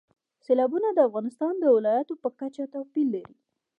سیلابونه د افغانستان د ولایاتو په کچه توپیر لري.